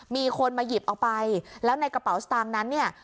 มีคนมาหยิบเอาไปแล้วในกระเป๋าสตางค์นั้นเนี่ย